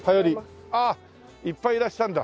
ああいっぱいいらっしゃるんだ。